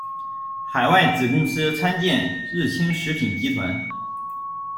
海外子公司参见日清食品集团。